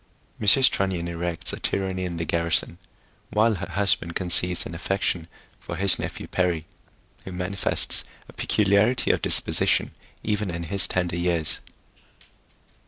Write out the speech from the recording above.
Mrs. Trunnion erects a Tyranny in the Garrison, while her Husband conceives an affection for his Nephew Perry, who manifests a peculiarity of disposition even in his tender years.